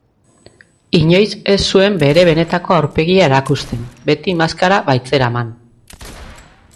Inoiz ez zuen bere benetako aurpegia erakusten, beti maskara baitzeraman.